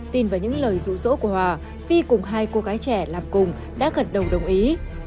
tin vào những lời rủ rỗ của hòa vi cùng hai cô gái trẻ làm cùng đã gật đầu đồng ý